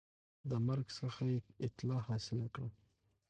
د مرګ څخه یې اطلاع حاصل کړه